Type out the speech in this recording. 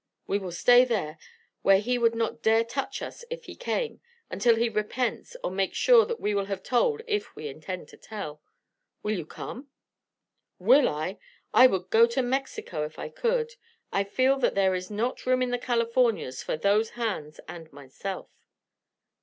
We will stay there where he would not dare touch us if he came until he repents or makes sure that we will have told if we intend to tell. Will you come?" "Will I? I would go to Mexico if I could. I feel that there is not room in the Californias for those hands and myself."